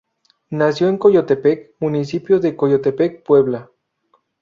Nació en Coyotepec, municipio de Coyotepec, Puebla.